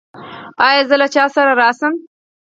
ایا زه له چا سره راشم؟